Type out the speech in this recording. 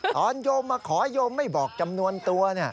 โยมมาขอโยมไม่บอกจำนวนตัว